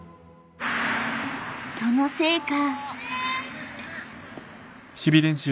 ［そのせいか］